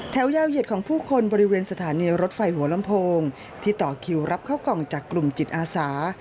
แถวยาวเหยียดของผู้คนบริเวณสถานีรถไฟหัวลำโพงที่ต่อคิวรับเข้ากล่องจากกลุ่มจิตอาสา